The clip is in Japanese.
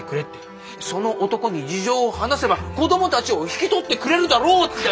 その男に事情を話せば子どもたちを引き取ってくれるだろうって。